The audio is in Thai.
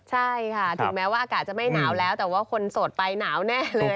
ใช่ค่ะถึงแม้ว่าอากาศจะไม่หนาวแล้วแต่ว่าคนโสดไปหนาวแน่เลย